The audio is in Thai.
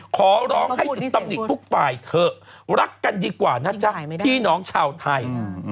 ขอร้องให้สุดตำหนิทุกฝ่ายเถอะรักกันดีกว่านะจ๊ะพี่น้องชาวไทย